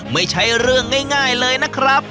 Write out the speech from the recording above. ไม่ใช่เรื่องง่ายเลยนะครับ